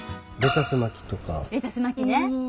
レタス巻ね。